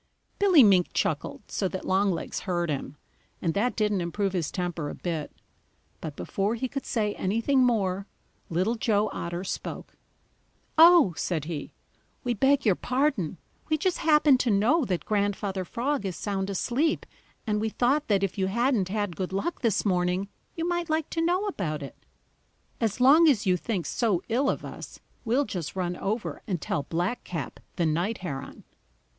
Billy Mink chuckled so that Longlegs heard him, and that didn't improve his temper a bit. But before he could say anything more, Little Joe Otter spoke. "Oh," said he, "we beg your pardon. We just happen to know that Grandfather Frog is sound asleep, and we thought that if you hadn't had good luck this morning, you might like to know about it. As long as you think so ill of us, we'll just run over and tell Blackcap the Night Heron."